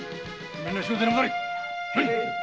みんな仕事に戻れ！